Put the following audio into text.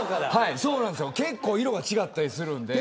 結構、色が違ったりするんで。